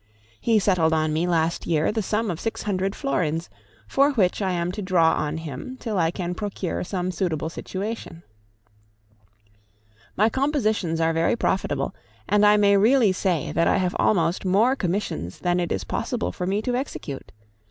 He settled on me last year the sum of 600 florins, for which I am to draw on him till I can procure some suitable situation. My compositions are very profitable, and I may really say that I have almost more commissions than it is possible for me to execute.